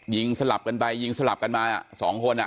ยิงสลับกันไปยิงสลับกันมาอ่ะ๒คนอ่ะ